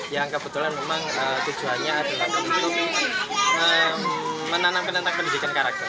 yang kebetulan memang tujuannya adalah untuk menanam penentang pendidikan karakter